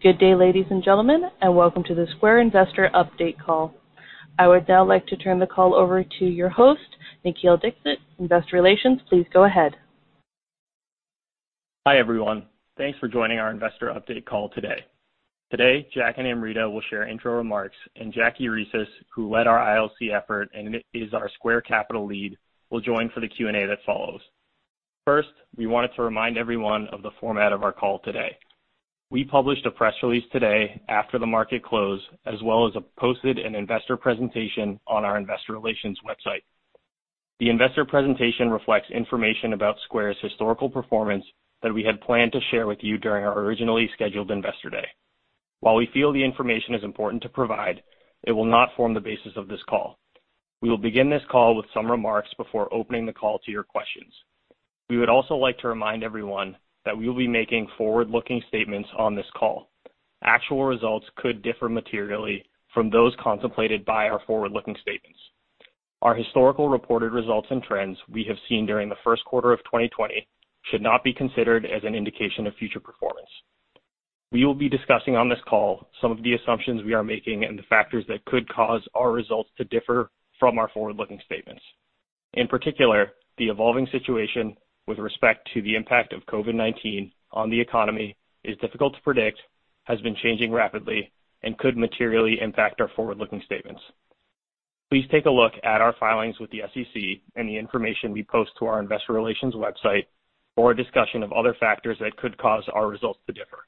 Good day, ladies and gentlemen, and welcome to the Square investor update call. I would now like to turn the call over to your host, Nikhil Dixit, Investor Relations. Please go ahead. Hi, everyone. Thanks for joining our investor update call today. Today, Jack and Amrita will share intro remarks, and Jackie Reses, who led our ILC effort and is our Square Capital lead, will join for the Q&A that follows. First, we wanted to remind everyone of the format of our call today. We published a press release today after the market close, as well as posted an investor presentation on our Investor Relations website. The investor presentation reflects information about Square's historical performance that we had planned to share with you during our originally scheduled Investor Day. While we feel the information is important to provide, it will not form the basis of this call. We will begin this call with some remarks before opening the call to your questions. We would also like to remind everyone that we will be making forward-looking statements on this call. Actual results could differ materially from those contemplated by our forward-looking statements. Our historical reported results and trends we have seen during the first quarter of 2020 should not be considered as an indication of future performance. We will be discussing on this call some of the assumptions we are making and the factors that could cause our results to differ from our forward-looking statements. In particular, the evolving situation with respect to the impact of COVID-19 on the economy is difficult to predict, has been changing rapidly, and could materially impact our forward-looking statements. Please take a look at our filings with the SEC and the information we post to our investor relations website for a discussion of other factors that could cause our results to differ.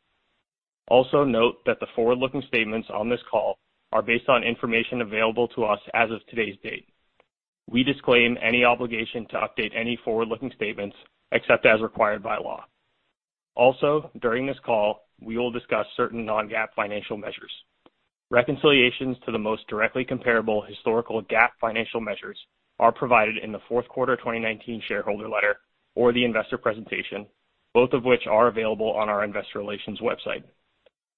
Also note that the forward-looking statements on this call are based on information available to us as of today's date. We disclaim any obligation to update any forward-looking statements, except as required by law. Also, during this call, we will discuss certain non-GAAP financial measures. Reconciliations to the most directly comparable historical GAAP financial measures are provided in the fourth quarter 2019 shareholder letter or the investor presentation, both of which are available on our investor relations website.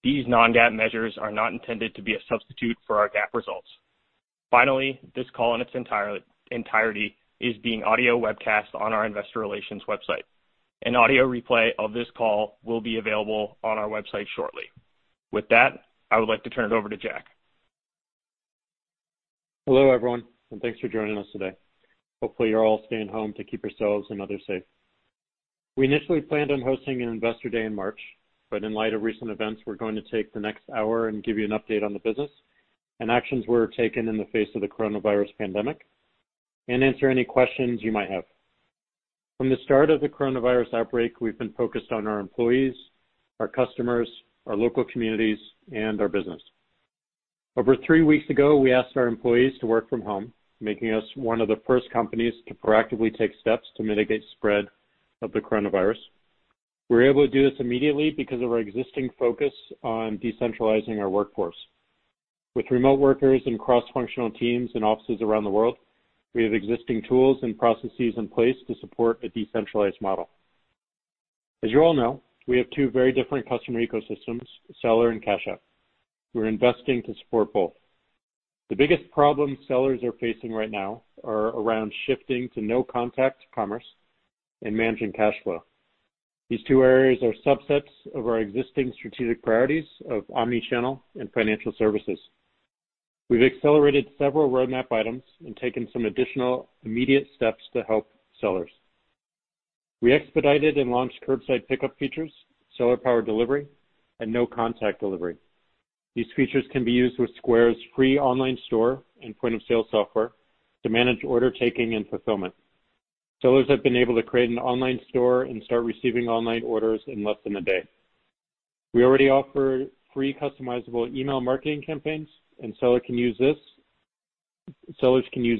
These non-GAAP measures are not intended to be a substitute for our GAAP results. Finally, this call in its entirety is being audio webcast on our Investor Relations website. An audio replay of this call will be available on our website shortly. With that, I would like to turn it over to Jack. Hello, everyone, and thanks for joining us today. Hopefully, you're all staying home to keep yourselves and others safe. We initially planned on hosting an Investor Day in March, but in light of recent events, we're going to take the next hour and give you an update on the business and actions we're taking in the face of the coronavirus pandemic and answer any questions you might have. From the start of the coronavirus outbreak, we've been focused on our employees, our customers, our local communities, and our business. Over three weeks ago, we asked our employees to work from home, making us one of the first companies to proactively take steps to mitigate spread of the coronavirus. We were able to do this immediately because of our existing focus on decentralizing our workforce. With remote workers and cross-functional teams in offices around the world, we have existing tools and processes in place to support a decentralized model. As you all know, we have two very different customer ecosystems, Seller and Cash App. We're investing to support both. The biggest problems sellers are facing right now are around shifting to no-contact commerce and managing cash flow. These two areas are subsets of our existing strategic priorities of omni-channel and financial services. We've accelerated several roadmap items and taken some additional immediate steps to help sellers. We expedited and launched curbside pickup features, seller power delivery, and no-contact delivery. These features can be used with Square's free online store and point-of-sale software to manage order taking and fulfillment. Sellers have been able to create an online store and start receiving online orders in less than a day. We already offer free customizable email marketing campaigns. Sellers can use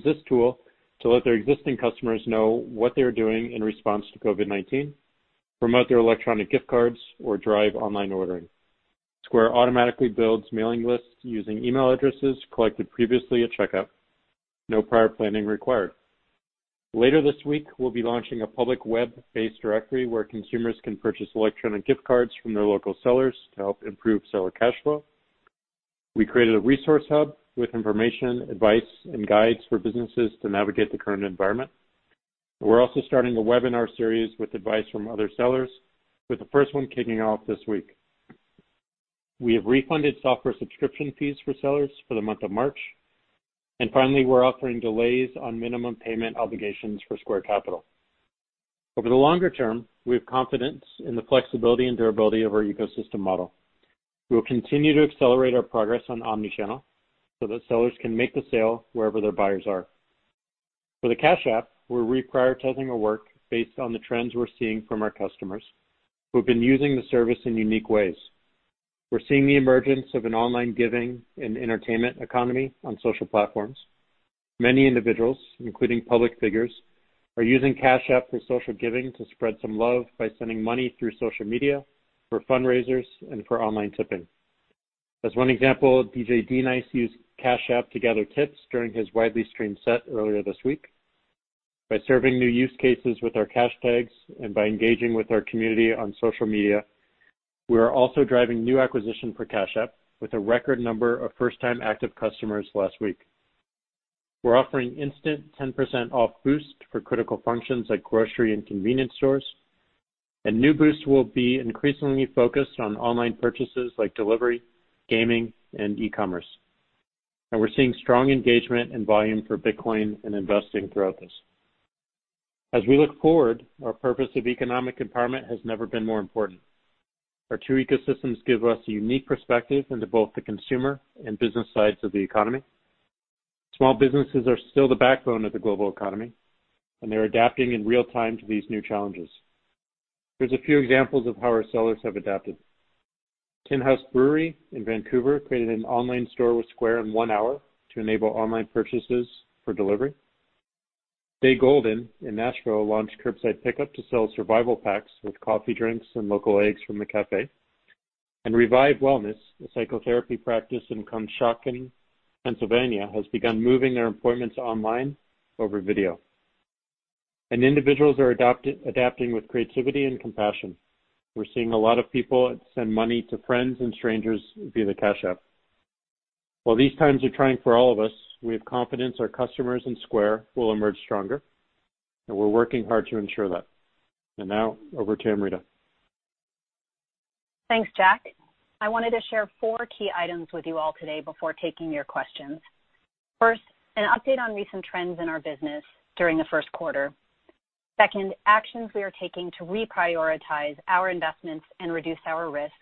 this tool to let their existing customers know what they're doing in response to COVID-19, promote their electronic gift cards, or drive online ordering. Square automatically builds mailing lists using email addresses collected previously at checkout, no prior planning required. Later this week, we'll be launching a public web-based directory where consumers can purchase electronic gift cards from their local sellers to help improve seller cash flow. We created a resource hub with information, advice, and guides for businesses to navigate the current environment. We're also starting a webinar series with advice from other sellers, with the first one kicking off this week. We have refunded software subscription fees for sellers for the month of March. Finally, we're offering delays on minimum payment obligations for Square Capital. Over the longer term, we have confidence in the flexibility and durability of our ecosystem model. We will continue to accelerate our progress on omni-channel so that sellers can make the sale wherever their buyers are. For the Cash App, we're reprioritizing our work based on the trends we're seeing from our customers who've been using the service in unique ways. We're seeing the emergence of an online giving and entertainment economy on social platforms. Many individuals, including public figures, are using Cash App for social giving to spread some love by sending money through social media for fundraisers and for online tipping. As one example, DJ D-Nice used Cash App to gather tips during his widely streamed set earlier this week. By serving new use cases with our $cashtag and by engaging with our community on social media, we are also driving new acquisition for Cash App with a record number of first-time active customers last week. We're offering instant 10% off Boost for critical functions like grocery and convenience stores. New Boost will be increasingly focused on online purchases like delivery, gaming, and e-commerce. We're seeing strong engagement and volume for Bitcoin and investing throughout this. As we look forward, our purpose of economic empowerment has never been more important. Our two ecosystems give us a unique perspective into both the consumer and business sides of the economy. Small businesses are still the backbone of the global economy, and they're adapting in real time to these new challenges. Here's a few examples of how our sellers have adapted. Tinhouse Brewing in Vancouver created an online store with Square in one hour to enable online purchases for delivery. Stay Golden in Nashville launched curbside pickup to sell survival packs with coffee drinks and local eggs from the cafe. Revive Wellness, a psychotherapy practice in Conshohocken, Pennsylvania, has begun moving their appointments online over video. Individuals are adapting with creativity and compassion. We're seeing a lot of people send money to friends and strangers via the Cash App. While these times are trying for all of us, we have confidence our customers and Square will emerge stronger, and we're working hard to ensure that. Now over to Amrita. Thanks, Jack. I wanted to share four key items with you all today before taking your questions. First, an update on recent trends in our business during the first quarter. Second, actions we are taking to reprioritize our investments and reduce our risk.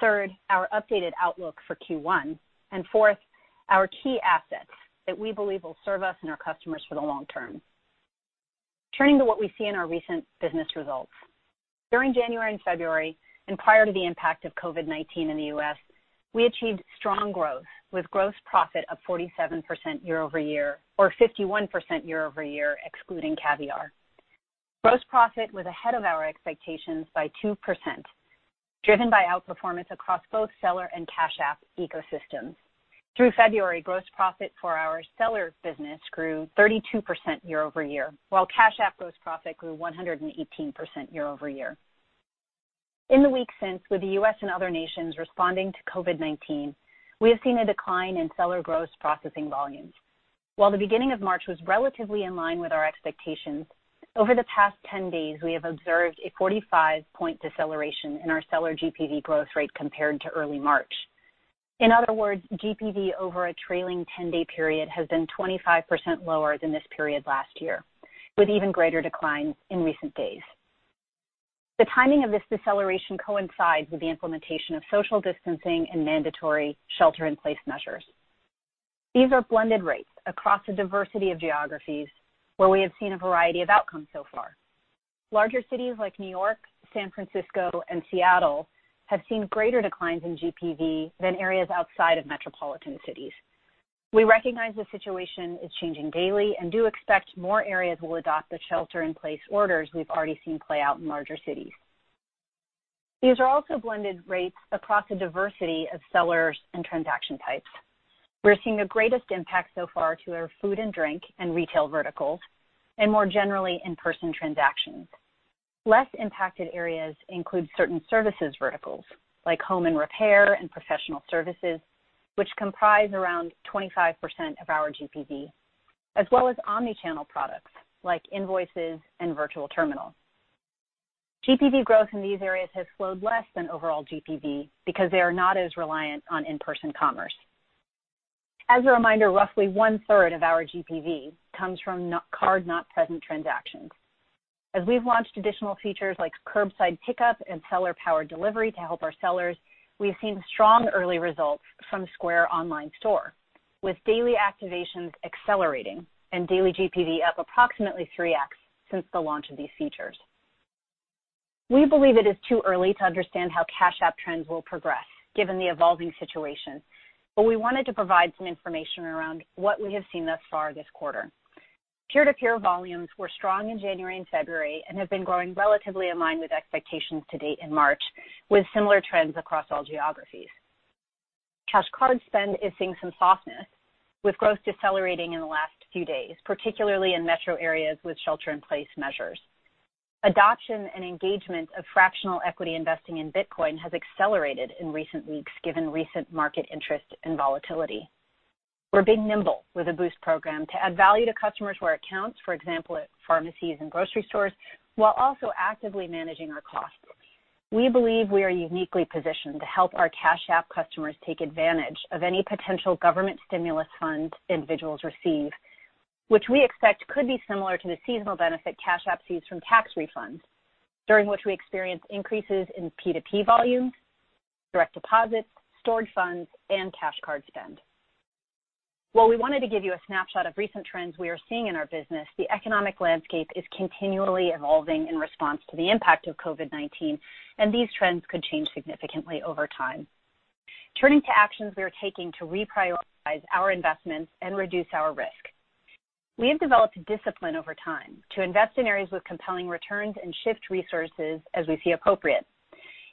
Third, our updated outlook for Q1. Fourth, our key assets that we believe will serve us and our customers for the long term. Turning to what we see in our recent business results. During January and February, prior to the impact of COVID-19 in the U.S., we achieved strong growth with gross profit of 47% year-over-year, or 51% year-over-year excluding Caviar. Gross profit was ahead of our expectations by 2%, driven by outperformance across both seller and Cash App ecosystems. Through February, gross profit for our seller business grew 32% year-over-year, while Cash App gross profit grew 118% year-over-year. In the weeks since, with the U.S. and other nations responding to COVID-19, we have seen a decline in seller gross processing volumes. While the beginning of March was relatively in line with our expectations, over the past 10 days, we have observed a 45-point deceleration in our seller GPV growth rate compared to early March. In other words, GPV over a trailing 10-day period has been 25% lower than this period last year, with even greater declines in recent days. The timing of this deceleration coincides with the implementation of social distancing and mandatory shelter-in-place measures. These are blended rates across a diversity of geographies where we have seen a variety of outcomes so far. Larger cities like New York, San Francisco, and Seattle have seen greater declines in GPV than areas outside of metropolitan cities. We recognize the situation is changing daily and do expect more areas will adopt the shelter-in-place orders we've already seen play out in larger cities. These are also blended rates across a diversity of sellers and transaction types. We're seeing the greatest impact so far to our food and drink and retail verticals, and more generally in-person transactions. Less impacted areas include certain services verticals like home and repair and professional services, which comprise around 25% of our GPV, as well as omni-channel products like invoices and virtual terminals. GPV growth in these areas has slowed less than overall GPV because they are not as reliant on in-person commerce. As a reminder, roughly one-third of our GPV comes from card-not-present transactions. As we've launched additional features like curbside pickup and seller-powered delivery to help our sellers, we have seen strong early results from Square Online, with daily activations accelerating and daily GPV up approximately 3x since the launch of these features. We believe it is too early to understand how Cash App trends will progress given the evolving situation, but we wanted to provide some information around what we have seen thus far this quarter. Peer-to-peer volumes were strong in January and February and have been growing relatively in line with expectations to date in March, with similar trends across all geographies. Cash Card spend is seeing some softness, with growth decelerating in the last few days, particularly in metro areas with shelter-in-place measures. Adoption and engagement of fractional equity investing in Bitcoin has accelerated in recent weeks given recent market interest and volatility. We're being nimble with the Boost program to add value to customers where it counts, for example, at pharmacies and grocery stores, while also actively managing our costs. We believe we are uniquely positioned to help our Cash App customers take advantage of any potential government stimulus funds individuals receive, which we expect could be similar to the seasonal benefit Cash App sees from tax refunds, during which we experience increases in P2P volume, direct deposit, stored funds, and Cash Card spend. While we wanted to give you a snapshot of recent trends we are seeing in our business, the economic landscape is continually evolving in response to the impact of COVID-19, and these trends could change significantly over time. Turning to actions we are taking to reprioritize our investments and reduce our risk. We have developed discipline over time to invest in areas with compelling returns and shift resources as we see appropriate.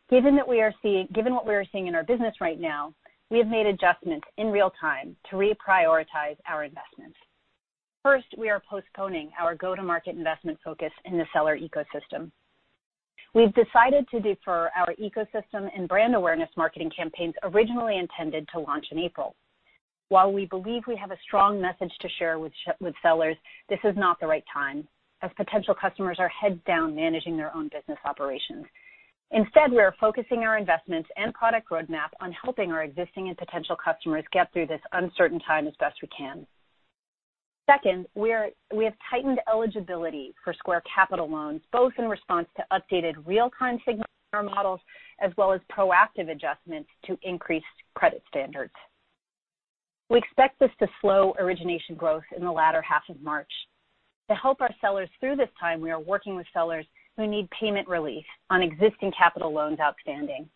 Given what we are seeing in our business right now, we have made adjustments in real time to reprioritize our investments. First, we are postponing our go-to-market investment focus in the seller ecosystem. We've decided to defer our ecosystem and brand awareness marketing campaigns originally intended to launch in April. While we believe we have a strong message to share with sellers, this is not the right time, as potential customers are heads down managing their own business operations. Instead, we are focusing our investments and product roadmap on helping our existing and potential customers get through this uncertain time as best we can. We have tightened eligibility for Square Capital loans, both in response to updated real-time signals in our models, as well as proactive adjustments to increased credit standards. We expect this to slow origination growth in the latter half of March. To help our sellers through this time, we are working with sellers who need payment relief on existing Capital loans outstanding.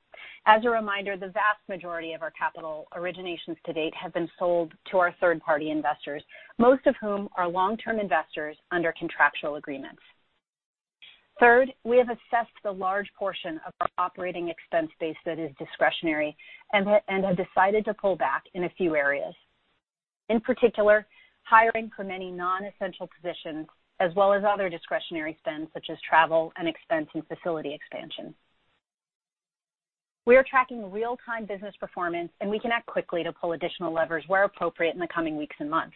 As a reminder, the vast majority of our Capital originations to date have been sold to our third-party investors, most of whom are long-term investors under contractual agreements. We have assessed the large portion of our operating expense base that is discretionary and have decided to pull back in a few areas. In particular, hiring for many non-essential positions, as well as other discretionary spends such as travel and expense and facility expansion. We are tracking real-time business performance. We can act quickly to pull additional levers where appropriate in the coming weeks and months.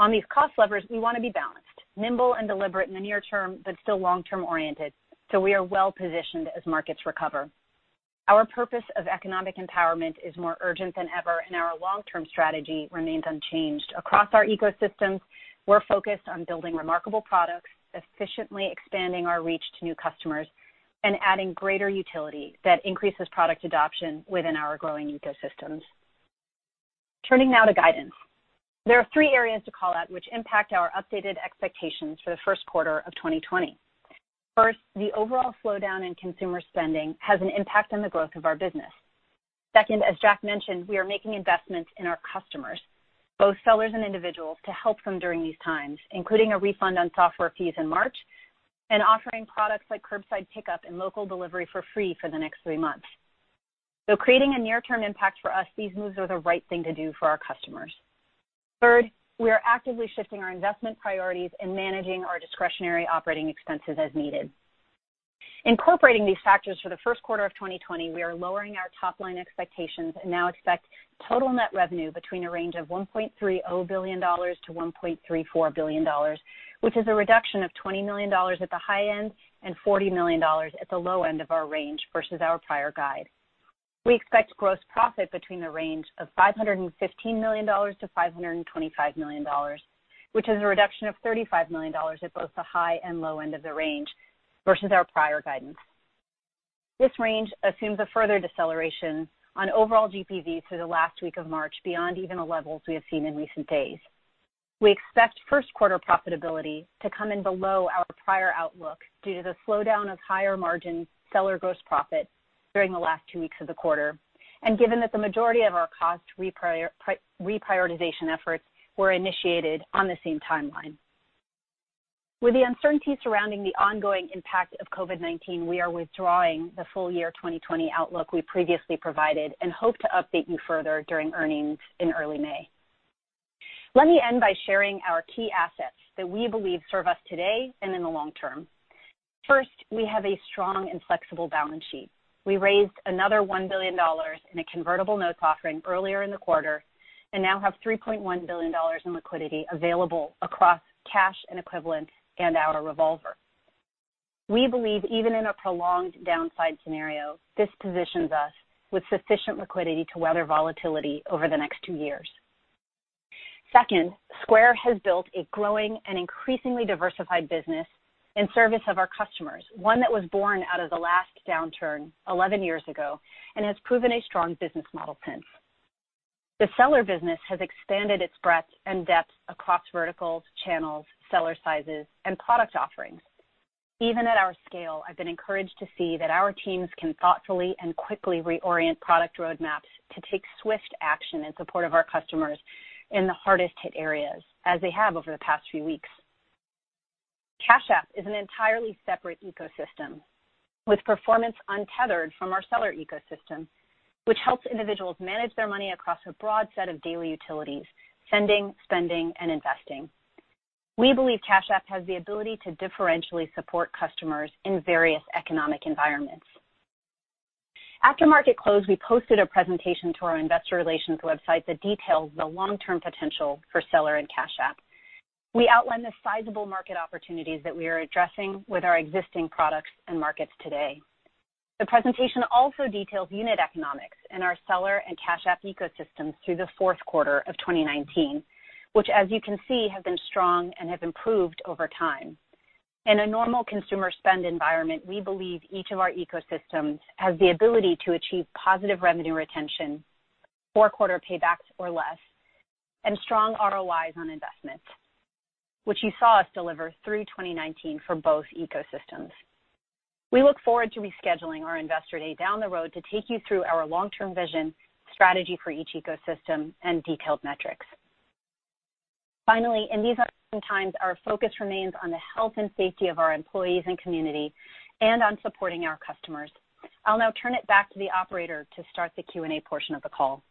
On these cost levers, we want to be balanced, nimble and deliberate in the near term, but still long-term oriented, so we are well-positioned as markets recover. Our purpose of economic empowerment is more urgent than ever, and our long-term strategy remains unchanged. Across our ecosystems, we're focused on building remarkable products, efficiently expanding our reach to new customers, and adding greater utility that increases product adoption within our growing ecosystems. Turning now to guidance. There are three areas to call out which impact our updated expectations for the first quarter of 2020. First, the overall slowdown in consumer spending has an impact on the growth of our business. Second, as Jack mentioned, we are making investments in our customers, both sellers and individuals, to help them during these times, including a refund on software fees in March and offering products like curbside pickup and local delivery for free for the next three months. Though creating a near-term impact for us, these moves are the right thing to do for our customers. Third, we are actively shifting our investment priorities and managing our discretionary operating expenses as needed. Incorporating these factors for the first quarter of 2020, we are lowering our top-line expectations and now expect total net revenue between a range of $1.30 billion-$1.34 billion, which is a reduction of $20 million at the high end and $40 million at the low end of our range versus our prior guide. We expect gross profit between the range of $515 million-$525 million, which is a reduction of $35 million at both the high and low end of the range versus our prior guidance. This range assumes a further deceleration on overall GPV through the last week of March beyond even the levels we have seen in recent days. We expect first quarter profitability to come in below our prior outlook due to the slowdown of higher margin seller gross profit during the last two weeks of the quarter, and given that the majority of our cost reprioritization efforts were initiated on the same timeline. With the uncertainty surrounding the ongoing impact of COVID-19, we are withdrawing the full year 2020 outlook we previously provided and hope to update you further during earnings in early May. Let me end by sharing our key assets that we believe serve us today and in the long term. We have a strong and flexible balance sheet. We raised another $1 billion in a convertible notes offering earlier in the quarter and now have $3.1 billion in liquidity available across cash and equivalents and our revolver. We believe even in a prolonged downside scenario, this positions us with sufficient liquidity to weather volatility over the next two years. Square has built a growing and increasingly diversified business in service of our customers, one that was born out of the last downturn 11 years ago and has proven a strong business model since. The seller business has expanded its breadth and depth across verticals, channels, seller sizes, and product offerings. Even at our scale, I've been encouraged to see that our teams can thoughtfully and quickly reorient product roadmaps to take swift action in support of our customers in the hardest hit areas, as they have over the past few weeks. Cash App is an entirely separate ecosystem with performance untethered from our Seller ecosystem, which helps individuals manage their money across a broad set of daily utilities: sending, spending, and investing. We believe Cash App has the ability to differentially support customers in various economic environments. After market close, we posted a presentation to our investor relations website that details the long-term potential for Seller and Cash App. We outline the sizable market opportunities that we are addressing with our existing products and markets today. The presentation also details unit economics in our Seller and Cash App ecosystems through the fourth quarter of 2019, which, as you can see, have been strong and have improved over time. In a normal consumer spend environment, we believe each of our ecosystems has the ability to achieve positive revenue retention, four-quarter paybacks or less, and strong ROIs on investments, which you saw us deliver through 2019 for both ecosystems. We look forward to rescheduling our Investor Day down the road to take you through our long-term vision, strategy for each ecosystem, and detailed metrics. Finally, in these uncertain times, our focus remains on the health and safety of our employees and community and on supporting our customers. I'll now turn it back to the operator to start the Q&A portion of the call.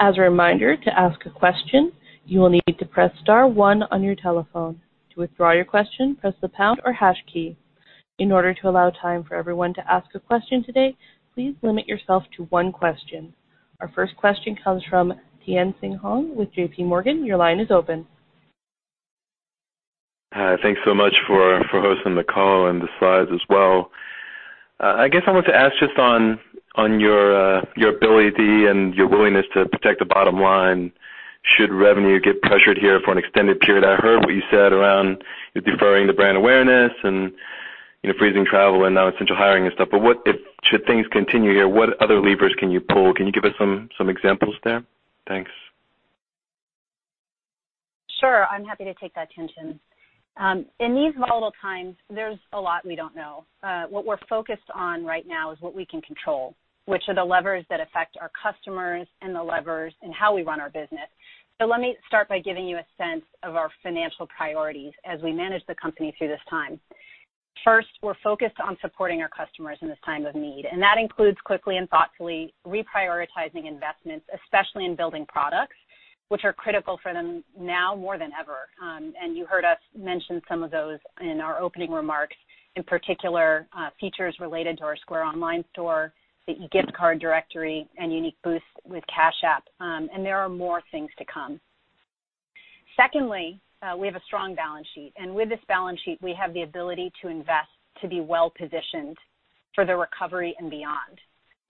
As a reminder, to ask a question, you will need to press star one on your telephone. To withdraw your question, press the pound or hash key. In order to allow time for everyone to ask a question today, please limit yourself to one question. Our first question comes from Tien-tsin Huang with J.P. Morgan. Your line is open. Hi. Thanks so much for hosting the call and the slides as well. I guess I want to ask just on your ability and your willingness to protect the bottom line should revenue get pressured here for an extended period. I heard what you said around deferring the brand awareness and freezing travel and non-essential hiring and stuff. Should things continue here, what other levers can you pull? Can you give us some examples there? Thanks. Sure. I'm happy to take that, Tien-tsin. In these volatile times, there's a lot we don't know. What we're focused on right now is what we can control, which are the levers that affect our customers and the levers in how we run our business. Let me start by giving you a sense of our financial priorities as we manage the company through this time. First, we're focused on supporting our customers in this time of need, and that includes quickly and thoughtfully reprioritizing investments, especially in building products, which are critical for them now more than ever. You heard us mention some of those in our opening remarks, in particular, features related to our Square Online, the gift card directory, and unique Boosts with Cash App. There are more things to come. Secondly, we have a strong balance sheet, and with this balance sheet, we have the ability to invest to be well-positioned for the recovery and beyond.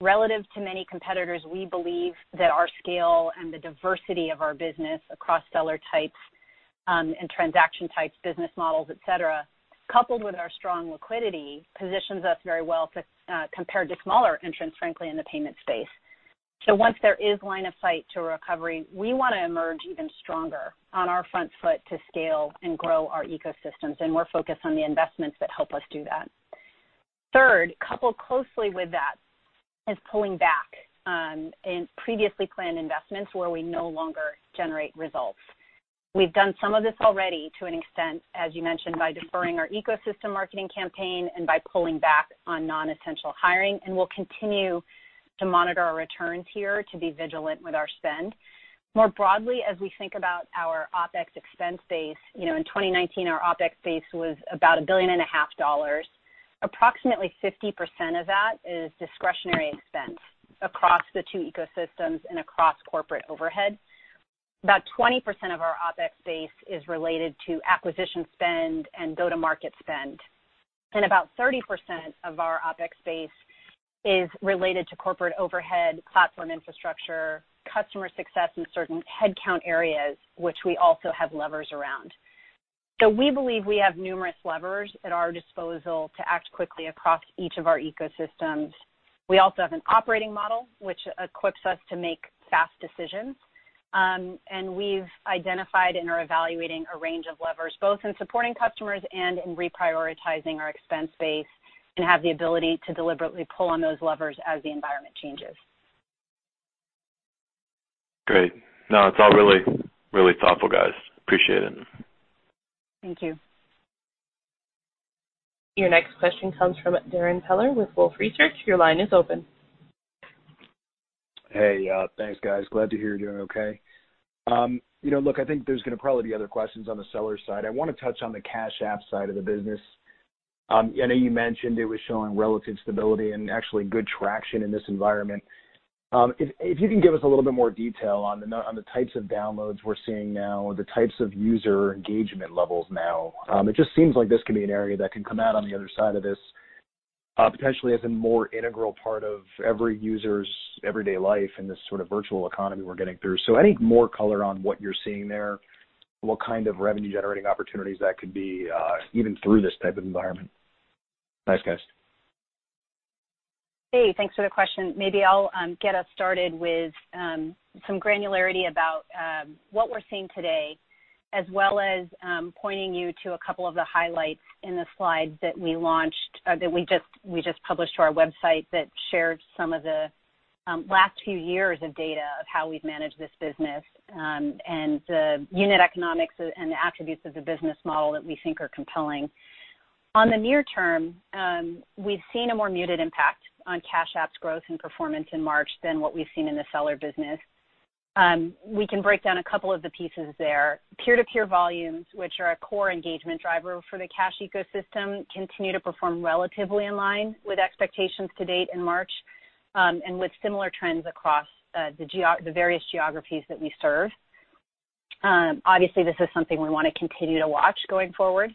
Relative to many competitors, we believe that our scale and the diversity of our business across seller types, and transaction types, business models, et cetera, coupled with our strong liquidity, positions us very well compared to smaller entrants, frankly, in the payment space. Once there is line of sight to recovery, we want to emerge even stronger on our front foot to scale and grow our ecosystems, and we're focused on the investments that help us do that. Third, coupled closely with that, is pulling back in previously planned investments where we no longer generate results. We've done some of this already to an extent, as you mentioned, by deferring our ecosystem marketing campaign and by pulling back on non-essential hiring. We'll continue to monitor our returns here to be vigilant with our spend. More broadly, as we think about our OPEX expense base, in 2019, our OPEX base was about $1.5 billion. Approximately 50% of that is discretionary expense across the two ecosystems and across corporate overhead. About 20% of our OPEX base is related to acquisition spend and go-to-market spend. About 30% of our OPEX base is related to corporate overhead, platform infrastructure, customer success in certain headcount areas, which we also have levers around. We believe we have numerous levers at our disposal to act quickly across each of our ecosystems. We also have an operating model which equips us to make fast decisions. We've identified and are evaluating a range of levers, both in supporting customers and in reprioritizing our expense base and have the ability to deliberately pull on those levers as the environment changes. Great. No, it's all really thoughtful, guys. Appreciate it. Thank you. Your next question comes from Darrin Peller with Wolfe Research. Your line is open. Hey. Thanks, guys. Glad to hear you're doing okay. Look, I think there's going to probably be other questions on the seller side. I want to touch on the Cash App side of the business. I know you mentioned it was showing relative stability and actually good traction in this environment. If you can give us a little bit more detail on the types of downloads we're seeing now, the types of user engagement levels now. It just seems like this could be an area that can come out on the other side of this potentially as a more integral part of every user's everyday life in this sort of virtual economy we're getting through. Any more color on what you're seeing there, what kind of revenue-generating opportunities that could be even through this type of environment? Thanks, guys. Hey, thanks for the question. Maybe I'll get us started with some granularity about what we're seeing today, as well as pointing you to a couple of the highlights in the slides that we just published to our website that shared some of the last few years of data of how we've managed this business, and the unit economics and the attributes of the business model that we think are compelling. On the near term, we've seen a more muted impact on Cash App's growth and performance in March than what we've seen in the seller business. We can break down a couple of the pieces there. Peer-to-peer volumes, which are a core engagement driver for the Cash ecosystem, continue to perform relatively in line with expectations to date in March, and with similar trends across the various geographies that we serve. Obviously, this is something we want to continue to watch going forward.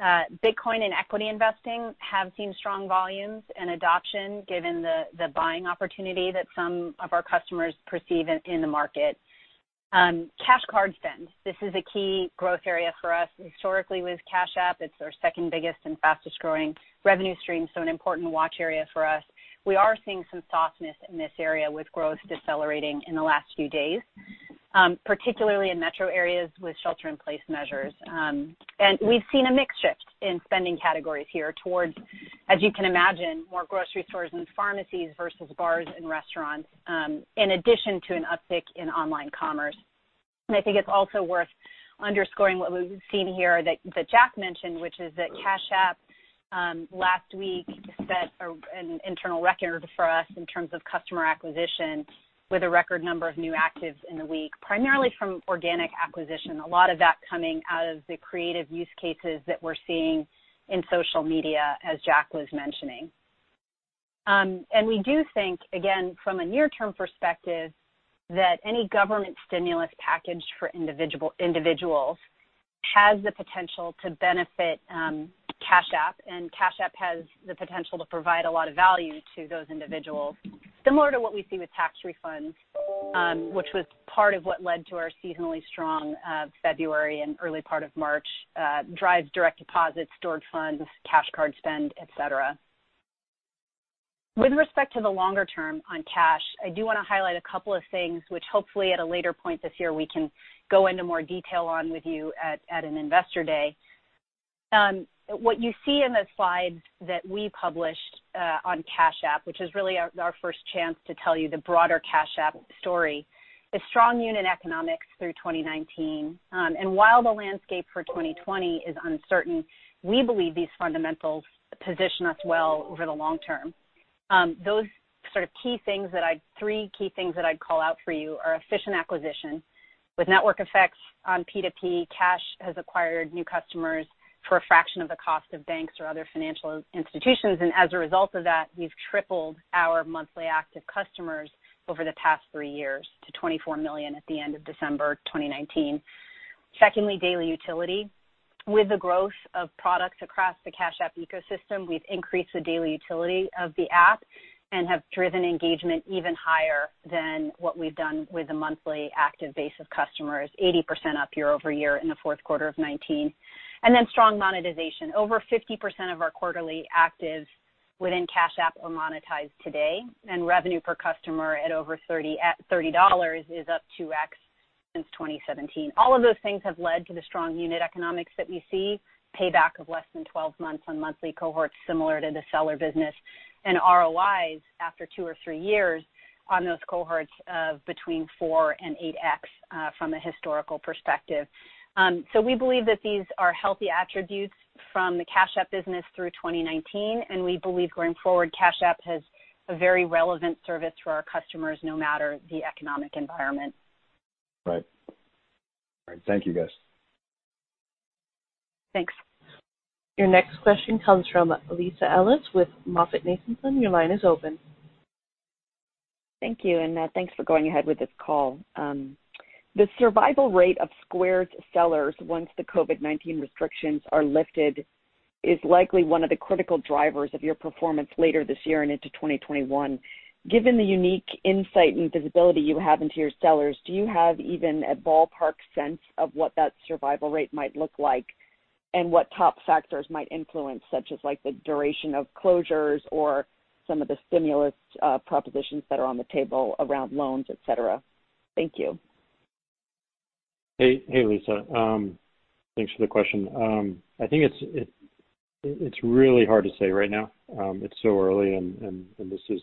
Bitcoin and equity investing have seen strong volumes and adoption given the buying opportunity that some of our customers perceive in the market. Cash Card spend, this is a key growth area for us historically with Cash App. It's our second biggest and fastest-growing revenue stream, so an important watch area for us. We are seeing some softness in this area, with growth decelerating in the last few days, particularly in metro areas with shelter-in-place measures. We've seen a mix shift in spending categories here towards, as you can imagine, more grocery stores and pharmacies versus bars and restaurants, in addition to an uptick in online commerce. I think it's also worth underscoring what we've seen here that Jack mentioned, which is that Cash App last week set an internal record for us in terms of customer acquisition with a record number of new actives in the week, primarily from organic acquisition. A lot of that coming out of the creative use cases that we're seeing in social media as Jack was mentioning. We do think, again, from a near-term perspective, that any government stimulus package for individuals has the potential to benefit Cash App and Cash App has the potential to provide a lot of value to those individuals, similar to what we see with tax refunds, which was part of what led to our seasonally strong February and early part of March, drives direct deposits, stored funds, Cash Card spend, et cetera. With respect to the longer term on Cash, I do want to highlight a couple of things, which hopefully at a later point this year, we can go into more detail on with you at an Investor Day. What you see in the slides that we published on Cash App, which is really our first chance to tell you the broader Cash App story, is strong unit economics through 2019. While the landscape for 2020 is uncertain, we believe these fundamentals position us well over the long term. Those three key things that I'd call out for you are efficient acquisition with network effects on P2P. Cash App has acquired new customers for a fraction of the cost of banks or other financial institutions, and as a result of that, we've tripled our monthly active customers over the past three years to 24 million at the end of December 2019. Secondly, daily utility. With the growth of products across the Cash App ecosystem, we've increased the daily utility of the app and have driven engagement even higher than what we've done with the monthly active base of customers, 80% up year-over-year in the fourth quarter of '19. Then strong monetization. Over 50% of our quarterly actives within Cash App are monetized today, and revenue per customer at over $30 is up 2x since 2017. All of those things have led to the strong unit economics that we see, payback of less than 12 months on monthly cohorts similar to the seller business, and ROIs after two or three years on those cohorts of between 4x and 8x from a historical perspective. We believe that these are healthy attributes from the Cash App business through 2019, and we believe going forward, Cash App has a very relevant service for our customers, no matter the economic environment. Right. All right. Thank you, guys. Thanks. Your next question comes from Lisa Ellis with MoffettNathanson. Your line is open. Thank you, and thanks for going ahead with this call. The survival rate of Square's sellers once the COVID-19 restrictions are lifted is likely one of the critical drivers of your performance later this year and into 2021. Given the unique insight and visibility you have into your sellers, do you have even a ballpark sense of what that survival rate might look like and what top factors might influence, such as the duration of closures or some of the stimulus propositions that are on the table around loans, et cetera? Thank you. Hey, Lisa. Thanks for the question. I think it's really hard to say right now. It's so early, and this is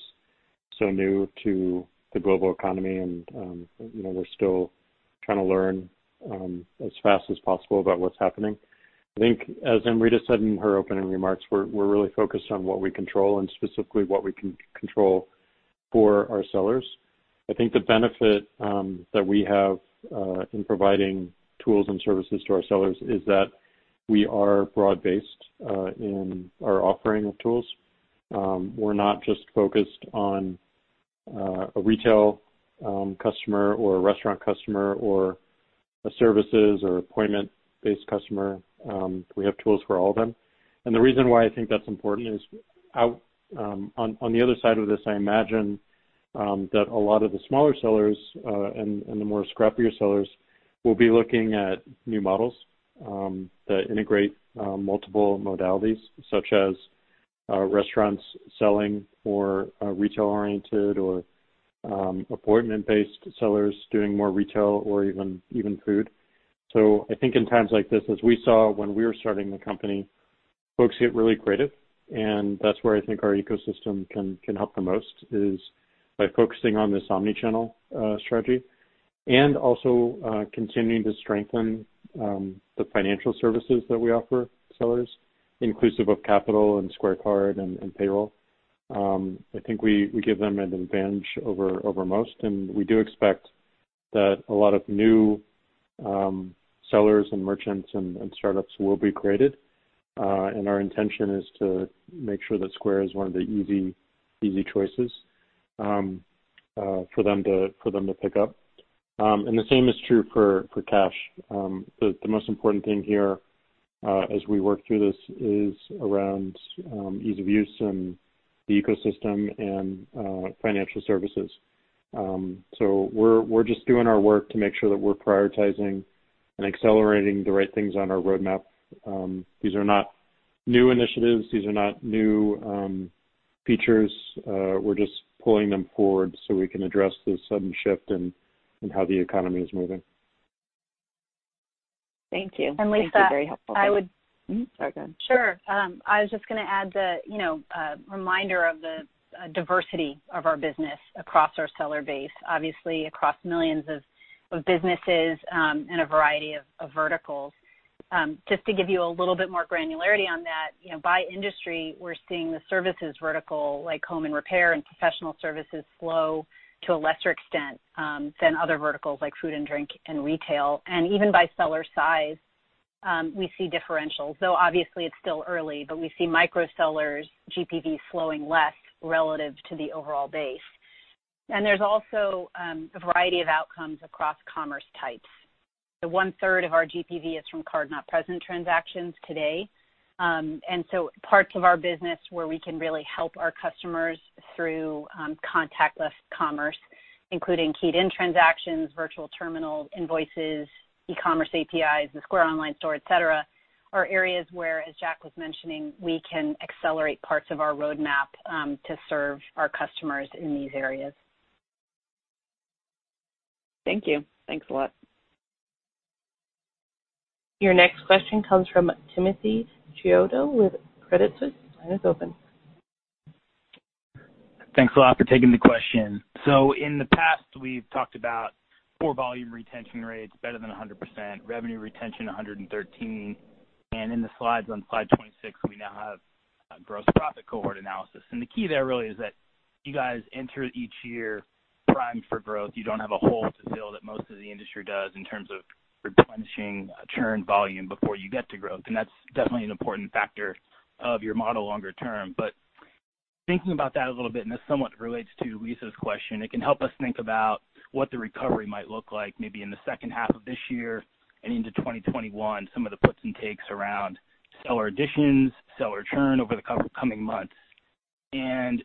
so new to the global economy, and we're still trying to learn as fast as possible about what's happening. I think, as Amrita said in her opening remarks, we're really focused on what we control and specifically what we can control for our sellers. I think the benefit that we have in providing tools and services to our sellers is that we are broad-based in our offering of tools. We're not just focused on a retail customer or a restaurant customer or a services or appointment-based customer. We have tools for all of them. The reason why I think that's important is on the other side of this, I imagine that a lot of the smaller sellers and the more scrappier sellers will be looking at new models that integrate multiple modalities, such as restaurants selling for retail-oriented or appointment-based sellers doing more retail or even food. I think in times like this, as we saw when we were starting the company, folks get really creative, and that's where I think our ecosystem can help the most is by focusing on this omni-channel strategy and also continuing to strengthen the financial services that we offer sellers, inclusive of Capital and Square Card and Payroll. I think we give them an advantage over most, and we do expect that a lot of new sellers and merchants and startups will be created. Our intention is to make sure that Square is one of the easy choices for them to pick up. The same is true for Cash. The most important thing here, as we work through this, is around ease of use and the ecosystem and financial services. We're just doing our work to make sure that we're prioritizing and accelerating the right things on our roadmap. These are not new initiatives. These are not new features. We're just pulling them forward so we can address the sudden shift in how the economy is moving. Thank you. And Lisa- Thank you. Very helpful. I would- Sorry. Go ahead. Sure. I was just going to add the reminder of the diversity of our business across our seller base, obviously across millions of businesses in a variety of verticals. Just to give you a little bit more granularity on that, by industry, we're seeing the services vertical, like home and repair and professional services, slow to a lesser extent than other verticals like food and drink and retail. Even by seller size, we see differentials, though obviously it's still early, but we see micro sellers GPV slowing less relative to the overall base. There's also a variety of outcomes across commerce types. One-third of our GPV is from card-not-present transactions today. Parts of our business where we can really help our customers through contactless commerce, including keyed-in transactions, virtual terminal invoices, e-commerce APIs, the Square Online store, et cetera, are areas where, as Jack was mentioning, we can accelerate parts of our roadmap to serve our customers in these areas. Thank you. Thanks a lot. Your next question comes from Timothy Chiodo with Credit Suisse. Line is open. Thanks a lot for taking the question. In the past, we've talked about core volume retention rates better than 100%, revenue retention 113%, and in the slides on slide 26, we now have gross profit cohort analysis. The key there really is that you guys enter each year primed for growth. You don't have a hole to fill that most of the industry does in terms of replenishing churn volume before you get to growth, and that's definitely an important factor of your model longer term. Thinking about that a little bit, and this somewhat relates to Lisa's question, it can help us think about what the recovery might look like maybe in the second half of this year and into 2021, some of the puts and takes around seller additions, seller churn over the coming months. When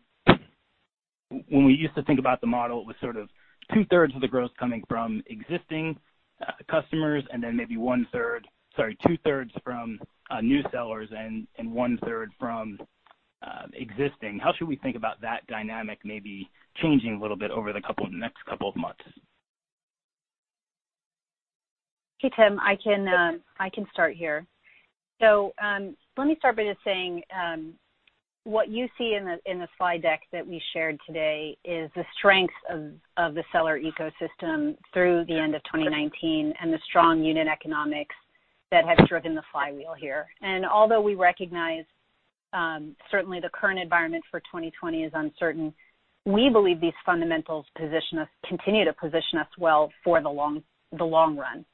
we used to think about the model, it was sort of two-thirds from new sellers and one-third from existing. How should we think about that dynamic maybe changing a little bit over the next couple of months? Okay, Tim, I can start here. Let me start by just saying, what you see in the slide deck that we shared today is the strength of the seller ecosystem through the end of 2019 and the strong unit economics that have driven the flywheel here. Although we recognize, certainly the current environment for 2020 is uncertain, we believe these fundamentals continue to position us well for the long run.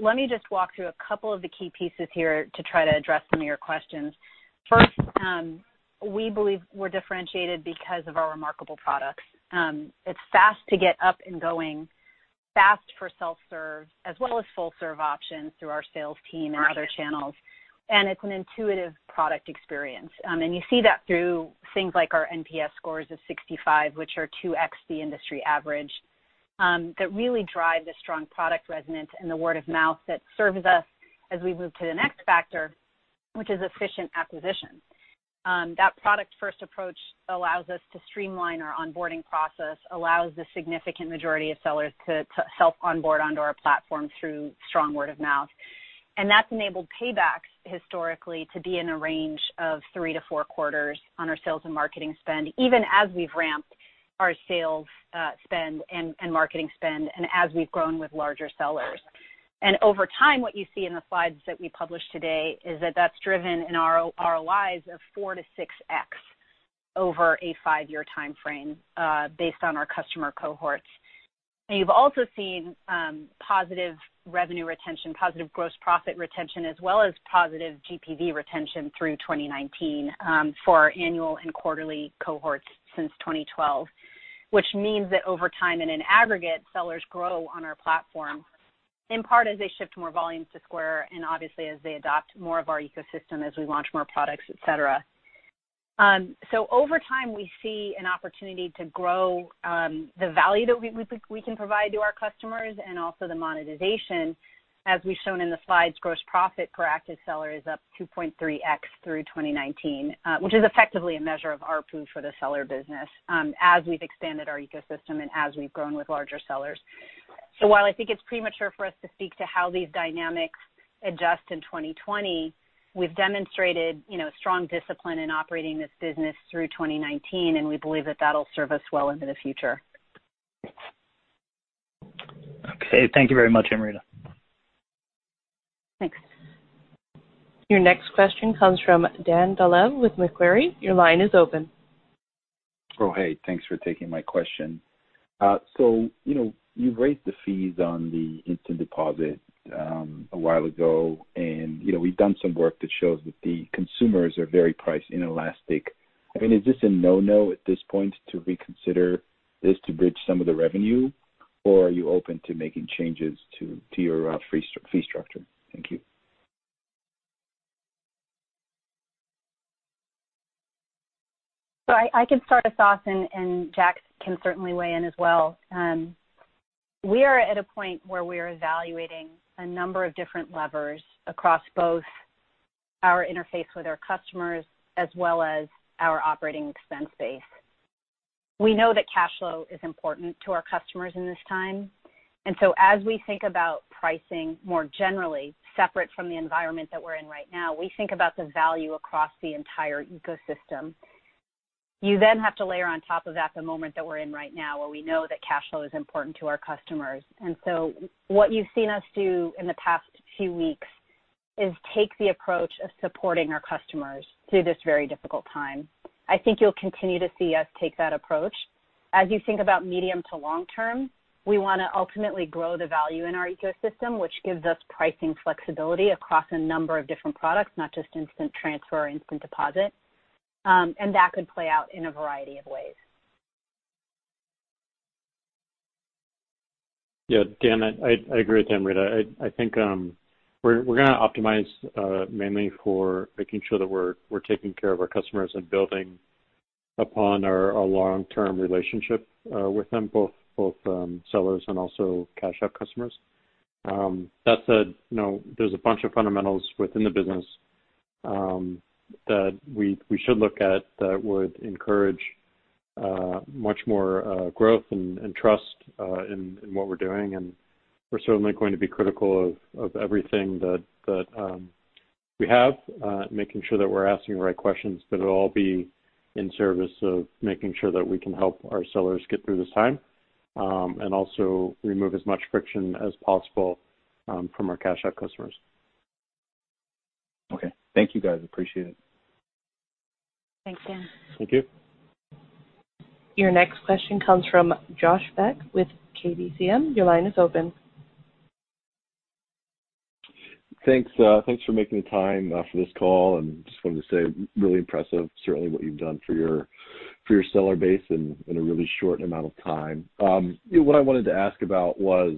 Let me just walk through a couple of the key pieces here to try to address some of your questions. First, we believe we're differentiated because of our remarkable products. It's fast to get up and going, fast for self-serve, as well as full-serve options through our sales team and other channels. It's an intuitive product experience. You see that through things like our NPS scores of 65, which are 2x the industry average, that really drive the strong product resonance and the word of mouth that serves us as we move to the next factor, which is efficient acquisition. That product-first approach allows us to streamline our onboarding process, allows the significant majority of sellers to self-onboard onto our platform through strong word of mouth. That's enabled paybacks historically to be in a range of three to four quarters on our sales and marketing spend, even as we've ramped our sales spend and marketing spend and as we've grown with larger sellers. Over time, what you see in the slides that we published today is that that's driven in our ROIs of 4x-6x over a five-year timeframe, based on our customer cohorts. You've also seen positive revenue retention, positive gross profit retention, as well as positive GPV retention through 2019 for our annual and quarterly cohorts since 2012. Which means that over time in an aggregate, sellers grow on our platform, in part as they shift more volumes to Square and obviously as they adopt more of our ecosystem as we launch more products, et cetera. Over time, we see an opportunity to grow the value that we can provide to our customers and also the monetization. As we've shown in the slides, gross profit per active seller is up 2.3x through 2019, which is effectively a measure of ARPU for the seller business, as we've expanded our ecosystem and as we've grown with larger sellers. While I think it's premature for us to speak to how these dynamics adjust in 2020, we've demonstrated strong discipline in operating this business through 2019, and we believe that that'll serve us well into the future. Okay. Thank you very much, Amrita. Thanks. Your next question comes from Dan Dolev with Macquarie. Your line is open. Oh, hey. Thanks for taking my question. You've raised the fees on the instant deposit a while ago, and we've done some work that shows that the consumers are very price inelastic. I mean, is this a no-no at this point to reconsider this to bridge some of the revenue, or are you open to making changes to your fee structure? Thank you. I can start us off and Jack can certainly weigh in as well. We are at a point where we are evaluating a number of different levers across both our interface with our customers as well as our operating expense base. We know that cash flow is important to our customers in this time. As we think about pricing more generally, separate from the environment that we're in right now, we think about the value across the entire ecosystem. Have to layer on top of that the moment that we're in right now, where we know that cash flow is important to our customers. What you've seen us do in the past few weeks is take the approach of supporting our customers through this very difficult time. I think you'll continue to see us take that approach. As you think about medium to long-term, we want to ultimately grow the value in our ecosystem, which gives us pricing flexibility across a number of different products, not just instant transfer or instant deposit. That could play out in a variety of ways. Yeah, Dan, I agree with Amrita. I think we're going to optimize mainly for making sure that we're taking care of our customers and building upon our long-term relationship with them, both sellers and also Cash App customers. That said, there's a bunch of fundamentals within the business that we should look at that would encourage much more growth and trust in what we're doing. We're certainly going to be critical of everything that we have, making sure that we're asking the right questions, but it'll all be in service of making sure that we can help our sellers get through this time, and also remove as much friction as possible from our Cash App customers. Okay. Thank you guys. Appreciate it. Thanks, Dan. Thank you. Your next question comes from Josh Beck with KBCM. Your line is open. Thanks for making the time for this call, and just wanted to say, really impressive, certainly what you've done for your seller base in a really short amount of time. What I wanted to ask about was,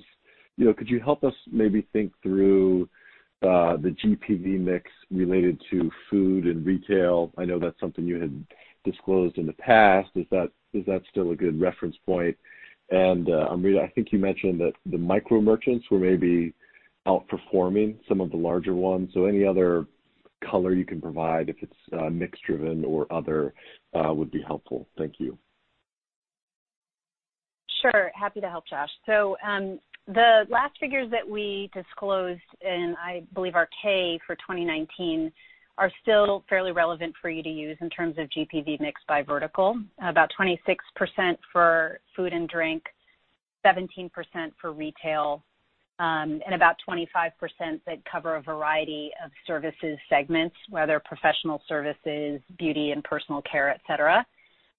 could you help us maybe think through the GPV mix related to food and retail? I know that's something you had disclosed in the past. Is that still a good reference point? Amrita, I think you mentioned that the micro merchants were maybe outperforming some of the larger ones. Any other color you can provide, if it's mix-driven or other, would be helpful. Thank you. Sure. Happy to help, Josh. The last figures that we disclosed, and I believe our 10-K for 2019, are still fairly relevant for you to use in terms of GPV mix by vertical. About 26% for food and drink, 17% for retail, and about 25% that cover a variety of services segments, whether professional services, beauty and personal care, et cetera.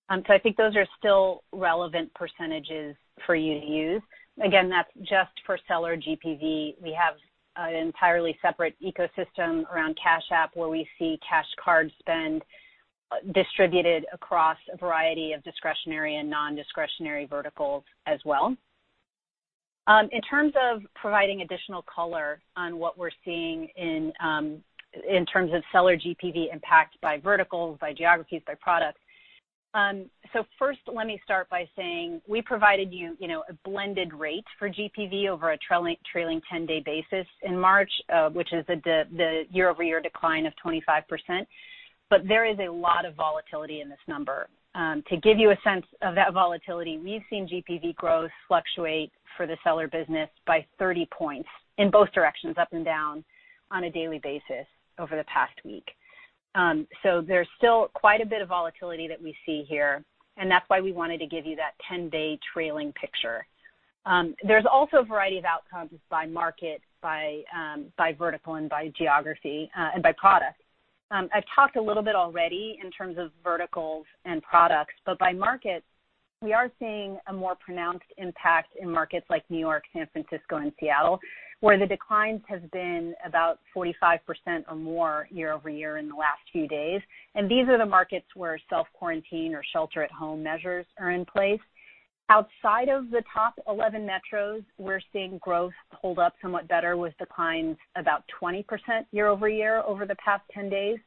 I think those are still relevant percentages for you to use. Again, that's just for seller GPV. We have an entirely separate ecosystem around Cash App where we see Cash Card spend distributed across a variety of discretionary and non-discretionary verticals as well. In terms of providing additional color on what we're seeing in terms of seller GPV impact by verticals, by geographies, by products. First, let me start by saying, we provided you a blended rate for GPV over a trailing 10-day basis in March, which is the year-over-year decline of 25%, but there is a lot of volatility in this number. To give you a sense of that volatility, we've seen GPV growth fluctuate for the seller business by 30 points, in both directions, up and down, on a daily basis over the past week. There's still quite a bit of volatility that we see here, and that's why we wanted to give you that 10-day trailing picture. There's also a variety of outcomes by market, by vertical, and by geography, and by product. I've talked a little bit already in terms of verticals and products, but by market, we are seeing a more pronounced impact in markets like New York, San Francisco, and Seattle, where the declines have been about 45% or more year-over-year in the last few days. These are the markets where self-quarantine or shelter-at-home measures are in place. Outside of the top 11 metros, we're seeing growth hold up somewhat better with declines about 20% year-over-year over the past 10 days.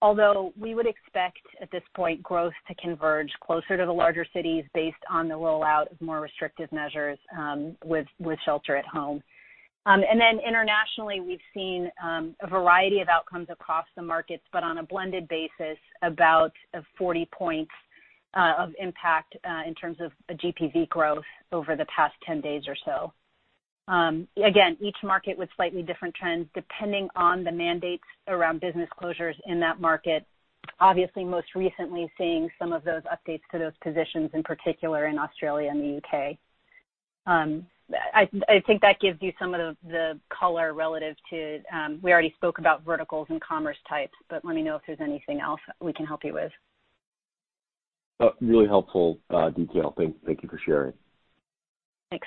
Although, we would expect at this point growth to converge closer to the larger cities based on the rollout of more restrictive measures with shelter at home. Then internationally, we've seen a variety of outcomes across the markets, but on a blended basis, about 40 points of impact in terms of GPV growth over the past 10 days or so. Again, each market with slightly different trends depending on the mandates around business closures in that market. Obviously, most recently seeing some of those updates to those positions, in particular in Australia and the U.K. I think that gives you some of the color. We already spoke about verticals and commerce types, but let me know if there's anything else we can help you with. Really helpful detail. Thank you for sharing. Thanks.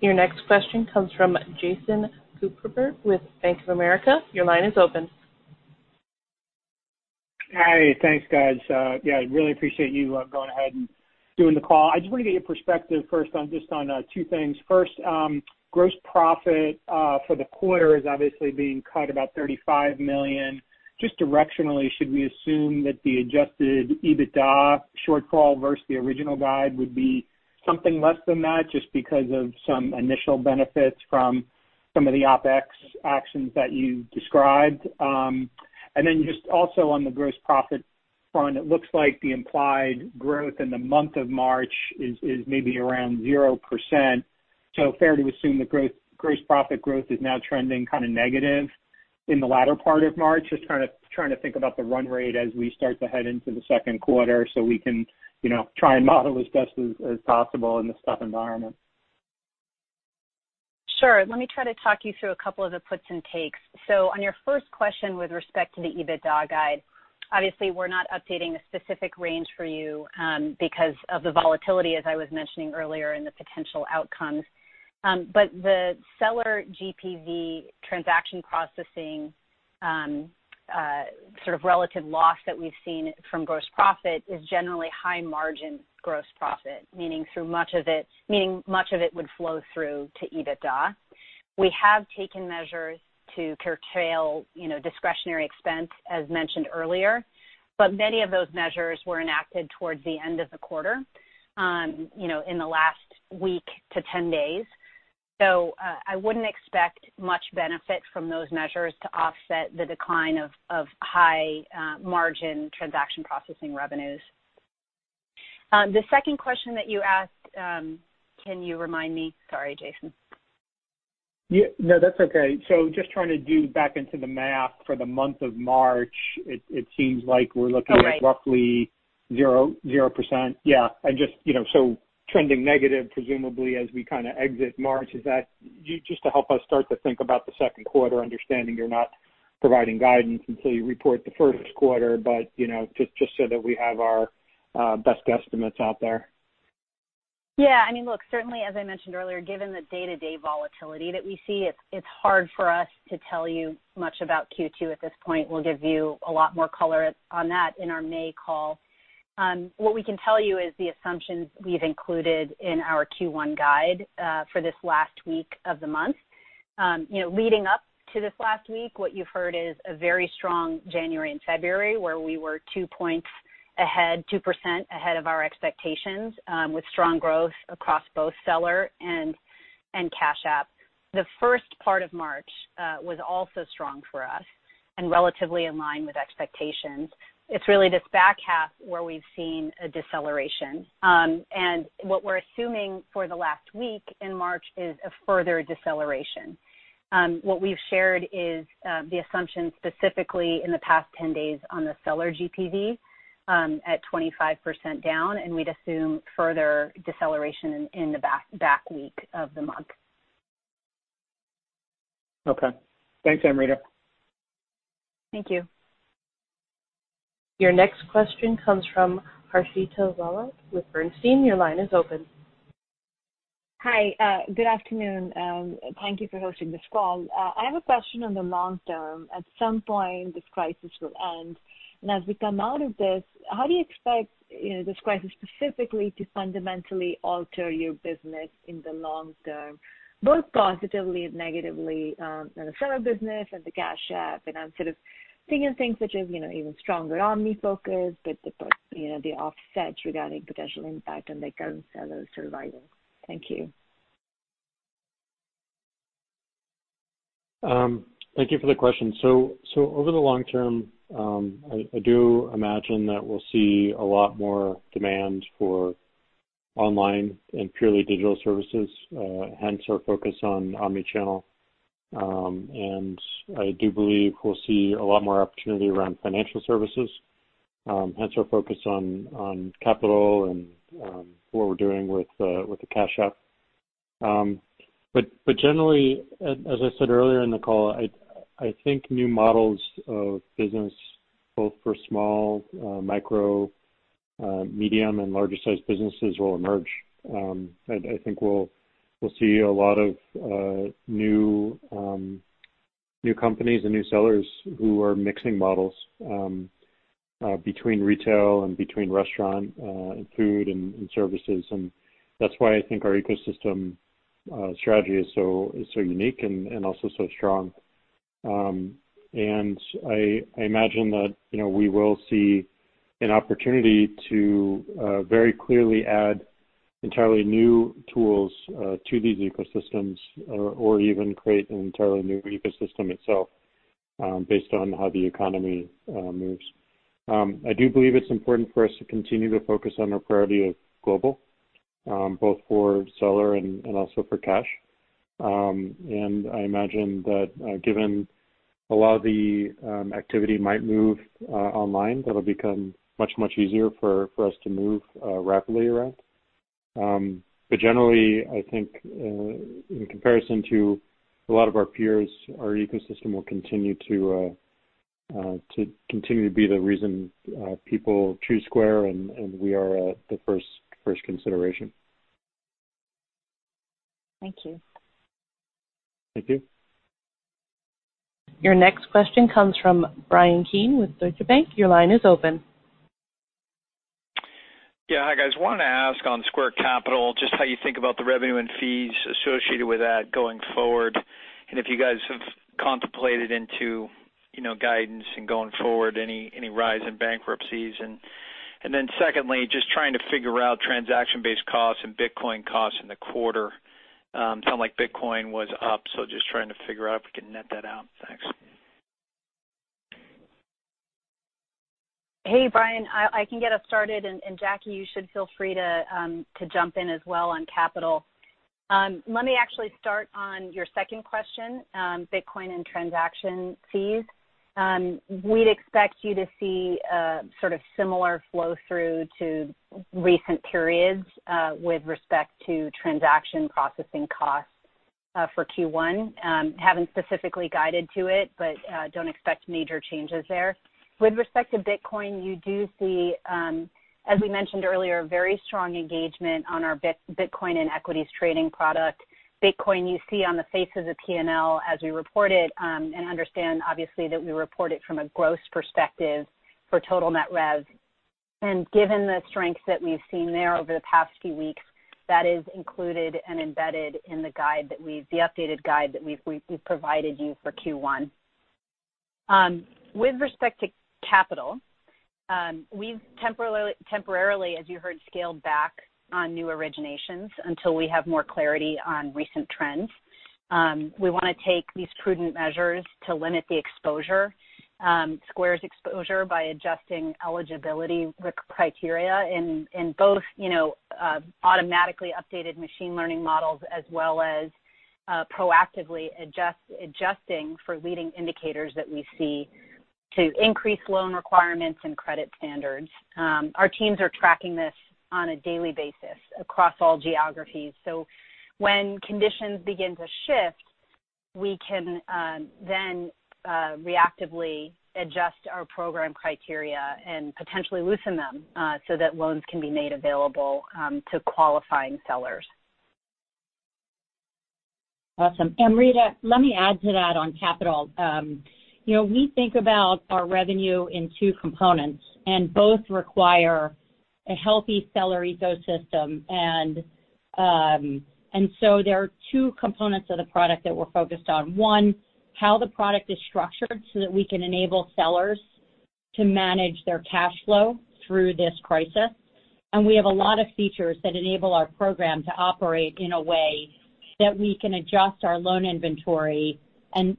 Your next question comes from Jason Kupferberg with Bank of America. Your line is open. Hi. Thanks, guys. Yeah, really appreciate you going ahead and doing the call. I just want to get your perspective first on just on two things. First, gross profit for the quarter is obviously being cut about $35 million. Just directionally, should we assume that the adjusted EBITDA shortfall versus the original guide would be something less than that, just because of some initial benefits from some of the OPEX actions that you described. Then just also on the gross profit front, it looks like the implied growth in the month of March is maybe around 0%. Fair to assume the gross profit growth is now trending kind of negative in the latter part of March? Just trying to think about the run rate as we start to head into the second quarter so we can try and model as best as possible in this tough environment. Sure. Let me try to talk you through a couple of the puts and takes. On your first question with respect to the EBITDA guide, obviously we're not updating a specific range for you because of the volatility, as I was mentioning earlier, in the potential outcomes. The seller GPV transaction processing sort of relative loss that we've seen from gross profit is generally high margin gross profit, meaning much of it would flow through to EBITDA. We have taken measures to curtail discretionary expense, as mentioned earlier, but many of those measures were enacted towards the end of the quarter, in the last week to 10 days. I wouldn't expect much benefit from those measures to offset the decline of high margin transaction processing revenues. The second question that you asked, can you remind me? Sorry, Jason. Yeah. No, that's okay. Just trying to do back into the math for the month of March, it seems like we're looking. Right. At roughly 0%. Yeah. Trending negative, presumably, as we kind of exit March. Just to help us start to think about the second quarter, understanding you're not providing guidance until you report the first quarter, but just so that we have our best guesstimates out there. Yeah. I mean, look, certainly as I mentioned earlier, given the day-to-day volatility that we see, it's hard for us to tell you much about Q2 at this point. We'll give you a lot more color on that in our May call. What we can tell you is the assumptions we've included in our Q1 guide for this last week of the month. Leading up to this last week, what you've heard is a very strong January and February where we were two points ahead, 2% ahead of our expectations, with strong growth across both seller and Cash App. The first part of March was also strong for us and relatively in line with expectations. It's really this back half where we've seen a deceleration. What we're assuming for the last week in March is a further deceleration. What we've shared is the assumption specifically in the past 10 days on the seller GPV, at 25% down, and we'd assume further deceleration in the back week of the month. Okay. Thanks, Amrita. Thank you. Your next question comes from Harshita Rawat with Bernstein. Your line is open. Hi. Good afternoon. Thank you for hosting this call. I have a question on the long term. At some point, this crisis will end, and as we come out of this, how do you expect this crisis specifically to fundamentally alter your business in the long term, both positively and negatively, in the seller business and the Cash App? I'm sort of thinking of things such as even stronger omni focus, but the offsets regarding potential impact on the current sellers surviving. Thank you. Thank you for the question. Over the long term, I do imagine that we'll see a lot more demand for online and purely digital services, hence our focus on omni-channel. I do believe we'll see a lot more opportunity around financial services, hence our focus on capital and what we're doing with the Cash App. Generally, as I said earlier in the call, I think new models of business, both for small, micro, medium, and larger-sized businesses will emerge. I think we'll see a lot of new companies and new sellers who are mixing models between retail and between restaurant and food and services. That's why I think our ecosystem strategy is so unique and also so strong. I imagine that we will see an opportunity to very clearly add entirely new tools to these ecosystems, or even create an entirely new ecosystem itself based on how the economy moves. I do believe it's important for us to continue to focus on our priority of global, both for seller and also for cash. I imagine that given a lot of the activity might move online, that'll become much, much easier for us to move rapidly around. Generally, I think in comparison to a lot of our peers, our ecosystem will continue to be the reason people choose Square and we are the first consideration. Thank you. Thank you. Your next question comes from Bryan Keane with Deutsche Bank. Your line is open. Yeah. Hi, guys. Wanted to ask on Square Capital, just how you think about the revenue and fees associated with that going forward, and if you guys have contemplated, you know, guidance and going forward any rise in bankruptcies. Secondly, just trying to figure out transaction-based costs and Bitcoin costs in the quarter. It sound like Bitcoin was up, just trying to figure out if we can net that out. Thanks. Hey, Bryan. I can get us started. Jackie, you should feel free to jump in as well on capital. Let me actually start on your second question, Bitcoin and transaction fees. We'd expect you to see sort of similar flow through to recent periods with respect to transaction processing costs for Q1. Don't expect major changes there. With respect to Bitcoin, you do see, as we mentioned earlier, very strong engagement on our Bitcoin and equities trading product. Bitcoin you see on the face of the P&L as we report it. Understand obviously that we report it from a gross perspective for total net rev. Given the strength that we've seen there over the past few weeks, that is included and embedded in the updated guide that we've provided you for Q1. With respect to capital, we've temporarily, as you heard, scaled back on new originations until we have more clarity on recent trends. We want to take these prudent measures to limit Square's exposure by adjusting eligibility criteria in both automatically updated machine learning models, as well as proactively adjusting for leading indicators that we see to increase loan requirements and credit standards. Our teams are tracking this on a daily basis across all geographies. When conditions begin to shift, we can then reactively adjust our program criteria and potentially loosen them so that loans can be made available to qualifying sellers. Awesome. Amrita, let me add to that on capital. We think about our revenue in two components, and both require a healthy seller ecosystem. There are two components of the product that we're focused on. One, how the product is structured so that we can enable sellers to manage their cash flow through this crisis. We have a lot of features that enable our program to operate in a way that we can adjust our loan inventory and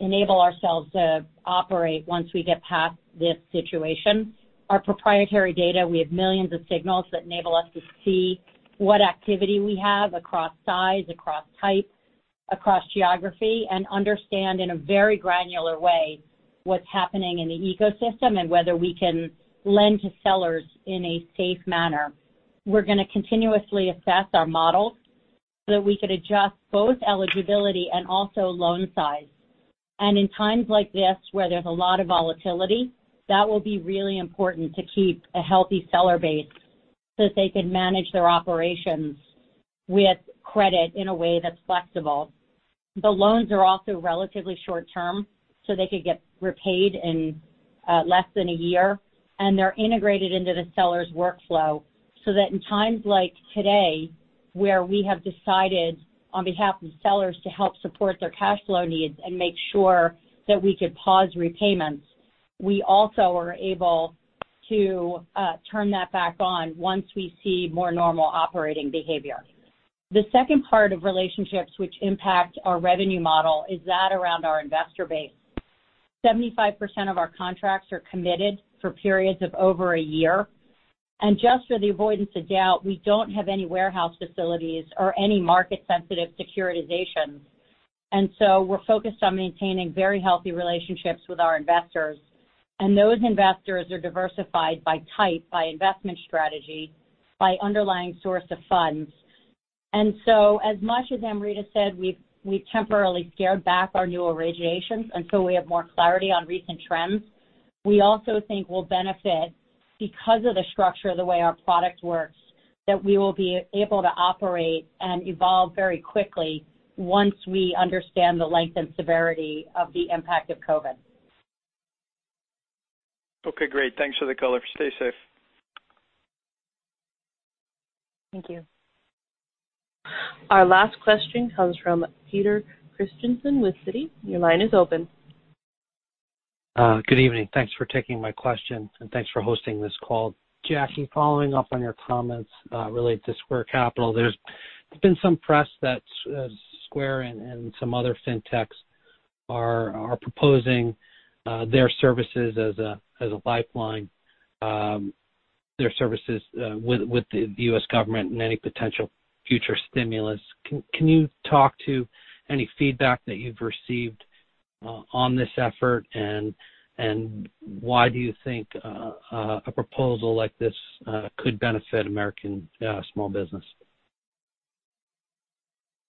enable ourselves to operate once we get past this situation. Our proprietary data, we have millions of signals that enable us to see what activity we have across size, across type, across geography, and understand in a very granular way what's happening in the ecosystem and whether we can lend to sellers in a safe manner. We're going to continuously assess our models so that we could adjust both eligibility and also loan size. In times like this, where there's a lot of volatility, that will be really important to keep a healthy seller base so that they can manage their operations with credit in a way that's flexible. The loans are also relatively short-term, so they could get repaid in less than one year, and they're integrated into the seller's workflow so that in times like today, where we have decided on behalf of sellers to help support their cash flow needs and make sure that we could pause repayments, we also are able to turn that back on once we see more normal operating behavior. The second part of relationships which impact our revenue model is that around our investor base. 75% of our contracts are committed for periods of over a year. Just for the avoidance of doubt, we don't have any warehouse facilities or any market-sensitive securitizations. We're focused on maintaining very healthy relationships with our investors, and those investors are diversified by type, by investment strategy, by underlying source of funds. As much as Amrita said, we've temporarily scaled back our new originations until we have more clarity on recent trends. We also think we'll benefit because of the structure of the way our product works, that we will be able to operate and evolve very quickly once we understand the length and severity of the impact of COVID. Okay, great. Thanks for the color. Stay safe. Thank you. Our last question comes from Peter Christiansen with Citi. Your line is open. Good evening. Thanks for taking my question, and thanks for hosting this call. Jackie, following up on your comments related to Square Capital, there's been some press that Square and some other fintechs are proposing their services as a lifeline, their services with the U.S. government and any potential future stimulus. Can you talk to any feedback that you've received on this effort, and why do you think a proposal like this could benefit American small business?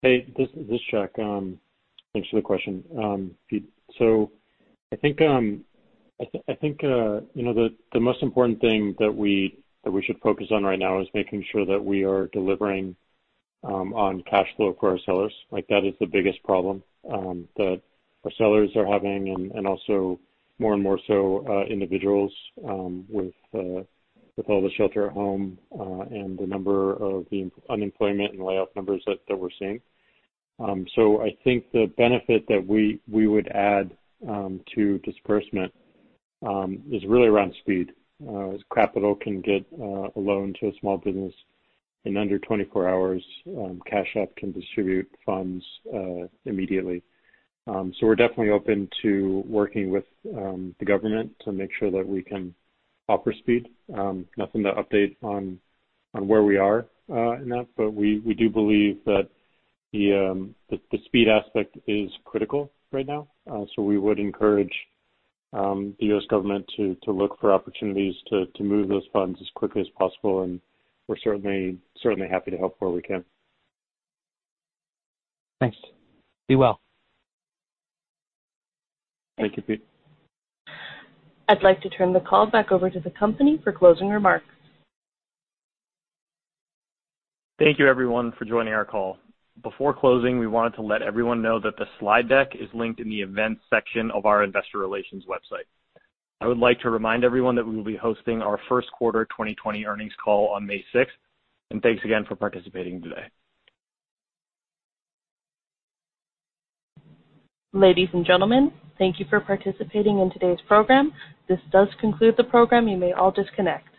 Hey, this is Jack. Thanks for the question. I think the most important thing that we should focus on right now is making sure that we are delivering on cash flow for our sellers. That is the biggest problem that our sellers are having, and also more and more so individuals with all the shelter at home, and the unemployment and layoff numbers that we're seeing. I think the benefit that we would add to disbursement is really around speed. Capital can get a loan to a small business in under 24 hours. Cash App can distribute funds immediately. We're definitely open to working with the government to make sure that we can offer speed. Nothing to update on where we are in that, but we do believe that the speed aspect is critical right now. We would encourage the U.S. government to look for opportunities to move those funds as quickly as possible, and we're certainly happy to help where we can. Thanks. Be well. Thank you, Pete. I'd like to turn the call back over to the company for closing remarks. Thank you everyone for joining our call. Before closing, we wanted to let everyone know that the slide deck is linked in the Events section of our Investor Relations website. I would like to remind everyone that we will be hosting our first quarter 2020 earnings call on May 6th. Thanks again for participating today. Ladies and gentlemen, thank you for participating in today's program. This does conclude the program. You may all disconnect.